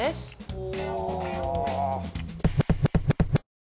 うわ。